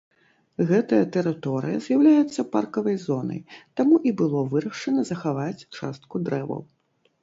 Гэтая тэрыторыя з'яўляецца паркавай зонай, таму і было вырашана захаваць частку дрэваў.